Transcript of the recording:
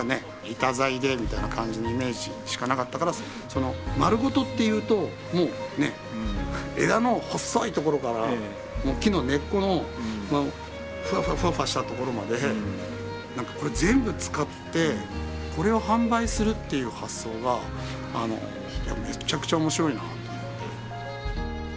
板材でみたいな感じのイメージしかなかったからまるごとっていうともうね枝の細いところから木の根っこのフワフワフワフワしたところまでこれ全部使ってこれを販売するっていう発想がめちゃくちゃ面白いなと思って。